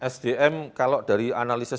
sdm kalau dari analisis